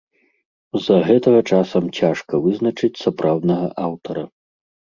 З-за гэтага часам цяжка вызначыць сапраўднага аўтара.